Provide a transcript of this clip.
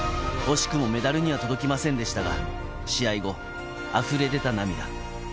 惜しくもメダルには届きませんでしたが、試合後、あふれ出た涙。